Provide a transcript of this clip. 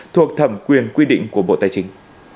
thuộc thẩm quyền quy định của bộ tài chính